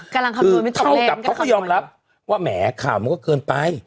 กำลังคำตรวจไม่ตกเล่นเขาก็ยอมรับว่าแหมข่าวมันก็เกินไป